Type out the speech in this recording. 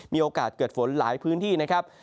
มีโอกาสเกิดฝนหลายพื้นที่นะครับ